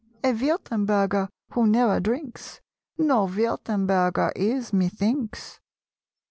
A Wirtemberger who ne'er drinks No Wirtemberger is, methinks!